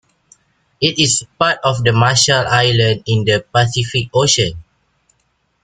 It is part of the Marshall Islands in the Pacific Ocean.